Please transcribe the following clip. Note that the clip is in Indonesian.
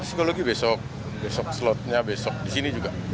psikologi besok besok slotnya besok di sini juga